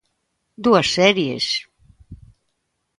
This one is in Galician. Dúas series.